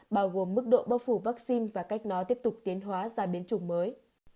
bao gồm mức độ bóc phủ vaccine và cách nó tiếp tục tiến hóa ra biến chủng mới